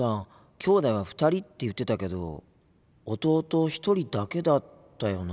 きょうだいは２人って言ってたけど弟１人だけだったよな。